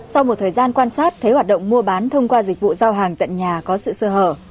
sau một thời gian quan sát thấy hoạt động mua bán thông qua dịch vụ giao hàng tận nhà có sự sơ hở